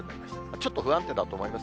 ちょっと不安定だと思います。